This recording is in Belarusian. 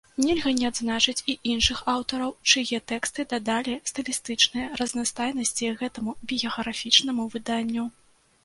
Нельга не адзначыць і іншых аўтараў, чые тэксты дадалі стылістычнай разнастайнасці гэтаму біяграфічнаму выданню.